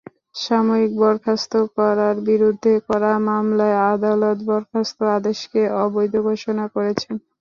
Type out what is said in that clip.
সাময়িক বরখাস্ত করার বিরুদ্ধে করা মামলায়ও আদালত বরখাস্ত আদেশকে অবৈধ ঘোষণা করেছেন।